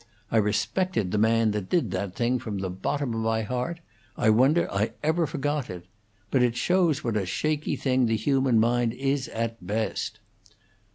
I respected the man that did that thing from the bottom of my heart. I wonder I ever forgot it. But it shows what a shaky thing the human mind is at its best."